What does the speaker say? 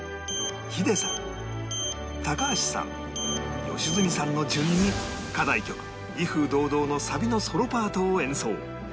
ヒデさん高橋さん良純さんの順に課題曲『威風堂々』のサビのソロパートを演奏